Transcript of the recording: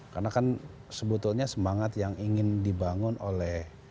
karena kan sebetulnya semangat yang ingin dibangun oleh